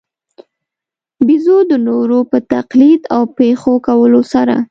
بېزو د نورو په تقلید او پېښو کولو سره.